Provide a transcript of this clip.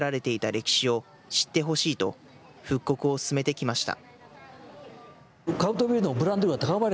歴史を知ってほしいと、復刻を進めてきました。